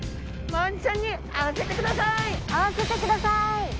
会わせてください！